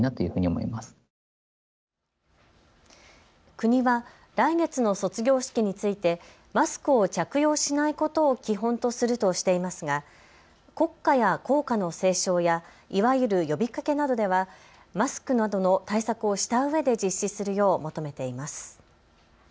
国は来月の卒業式についてマスクを着用しないことを基本とするとしていますが国歌や校歌の斉唱やいわゆる呼びかけなどではマスクなどの対策をしたうえで実施するよう求めています。